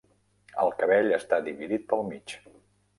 El cabell està dividit pel mig